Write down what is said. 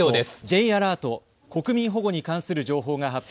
Ｊアラート、国民保護に関する情報が発表されています。